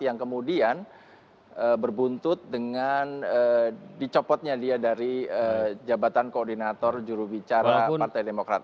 yang kemudian berbuntut dengan dicopotnya dia dari jabatan koordinator jurubicara partai demokrat